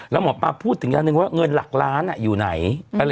แล้วหมอปลาพูดถึงอย่างหนึ่งว่าเงินหลักล้านอยู่ไหน